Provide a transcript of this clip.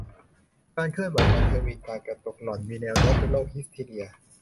การเคลื่อนไหวของเธอมีการกระตุก หล่อนมีแนวโน้มเป็นโรคฮิสทีเรีย